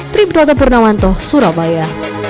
triburota purnamanto surabaya